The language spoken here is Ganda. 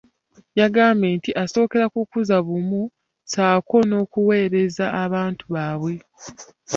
Yagambye nti asookera ku kuzza bumu ssaako n’okuweereza abantu baabwe.